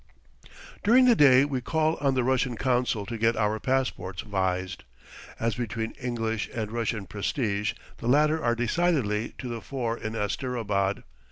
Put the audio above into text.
During the day we call on the Russian consul to get our passports vised. As between English and Russian prestige, the latter are decidedly to the fore in Asterabad.